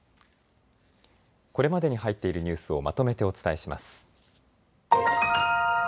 これまでに入っているニュースをまとめてお伝えします。